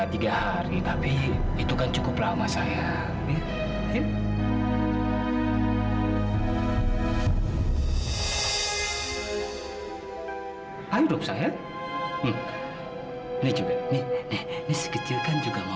sampai jumpa di video selanjutnya